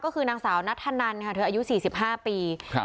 ก็คือนางสาวนัทธนันค่ะเธออายุสี่สิบห้าปีครับ